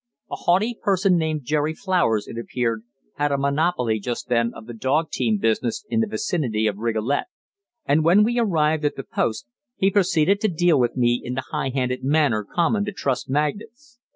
A haughty person named Jerry Flowers, it appeared, had a monopoly just then of the dog team business in the vicinity of Rigolet, and when we arrived at the post he proceeded to deal with me in the high handed manner common to trust magnates.